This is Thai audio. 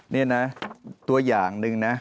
นี่นะตัวอย่างหนึ่งนะ